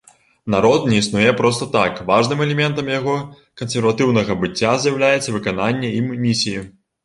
Народ не існуе проста так, важным элементам яго кансерватыўнага быцця з'яўляецца выкананне ім місіі.